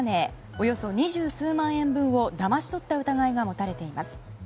およそ二十数万円分をだまし取った疑いが持たれています。